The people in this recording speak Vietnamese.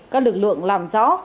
các lực lượng làm rõ